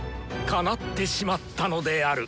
かなってしまったのである！